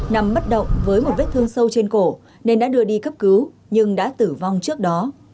nằm bất động với một vết thương sâu trên cổ nên đã đưa đi cấp cứu nhưng đã tử vong trước đó